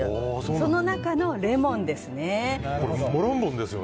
その中の、レモンですね。